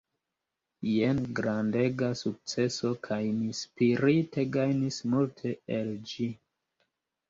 Jen grandega sukceso kaj mi spirite gajnis multe el ĝi.